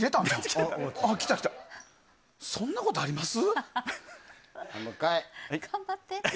そんなことあります？